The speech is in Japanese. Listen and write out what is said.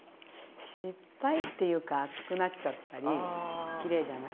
失敗っていうか厚くなっちゃったりきれいじゃない。